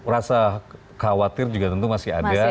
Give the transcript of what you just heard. rasa khawatir juga tentu masih ada